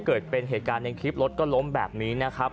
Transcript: เกิดเป็นเหตุการณ์ในคลิปรถก็ล้มแบบนี้นะครับ